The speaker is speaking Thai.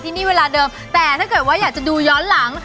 นี่เวลาเดิมแต่ถ้าเกิดว่าอยากจะดูย้อนหลัง